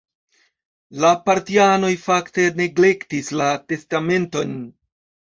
La partianoj fakte neglektis la testamenton.